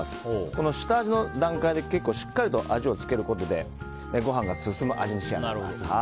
この下味の段階で結構しっかりと味をつけることでご飯が進む味に仕上がります。